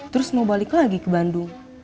terus mau balik lagi ke bandung